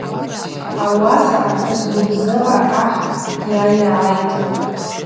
Ауаса апхӏвыс гвыбзыгъа ахӏ дйайгӏайтӏ.